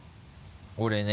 俺ね。